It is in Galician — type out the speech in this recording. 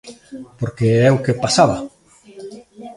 Porque é o que pasaba.